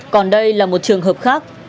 còn đây là một trường hợp khác